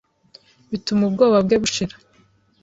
bituma ubwoba bwe bushira,